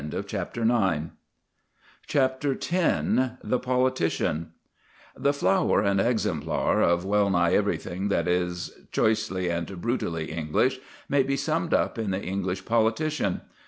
CHAPTER X THE POLITICIAN The flower and exemplar of well nigh everything that is choicely and brutally English may be summed up in the English politician.